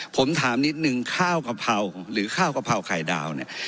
ผมถามนิดนึงข้าวกะเพราหรือข้าวกะเพราไข่ดาวเนี่ย